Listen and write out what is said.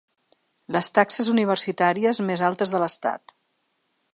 Les taxes universitàries més altes de l’estat.